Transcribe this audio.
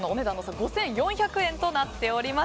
５４００円となっております。